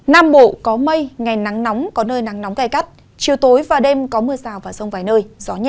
nam bộ có mây ngày nắng nóng có nơi nắng nóng gai gắt chiều tối và đêm có mưa rào và rông vài nơi